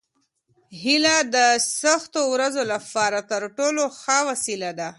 هیله د سختو ورځو لپاره تر ټولو ښه وسله ده.